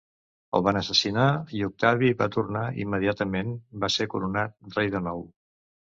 El van assassinar i Octavi va tornar immediatament va ser coronat rei de nou.